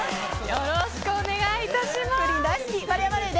よろしくお願いします。